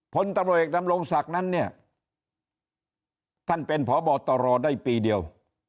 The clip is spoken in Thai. ผลตำรวจเอกดำรงศักดิ์นั้นเนี่ยท่านเป็นพบตรได้ปีเดียว